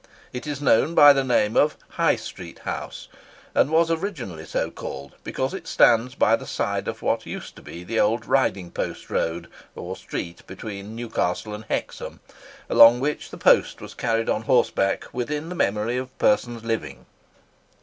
It is known by the name of High Street House, and was originally so called because it stands by the side of what used to be the old riding post road or street between Newcastle and Hexham, along which the post was carried on horseback within the memory of persons living.